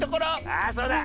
あそうだ！